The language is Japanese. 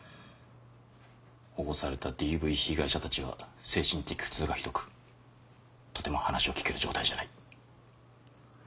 保護されたＤＶ被害者たちは精神的苦痛がひどくとても話を聞ける状態じゃない。